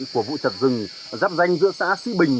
của vụ chặt rừng giáp danh giữa xã sĩ bình